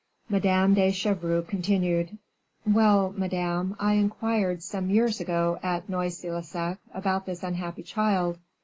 Madame de Chevreuse continued: "Well, madame, I inquired some years ago at Noisy le Sec about this unhappy child.